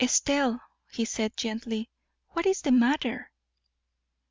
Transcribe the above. "Estelle," he said, gently, "what is the matter?"